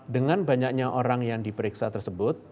dengan banyaknya orang yang diperiksa tersebut